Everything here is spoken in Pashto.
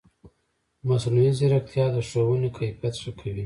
مصنوعي ځیرکتیا د ښوونې کیفیت ښه کوي.